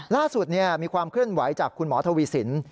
ล่าสุดมีความเคลื่อนไหวจากคุณหมอทวีสิน